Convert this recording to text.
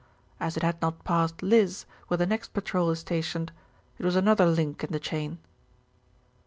As it had not passed Liss, where the next patrol is stationed, it was another link in the chain."